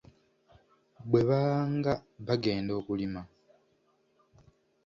Bwe baanga bagenda okulima,